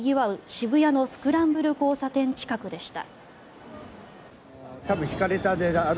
渋谷のスクランブル交差点近くでした。